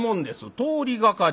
「通りがかり？